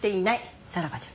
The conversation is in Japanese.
さらばじゃ。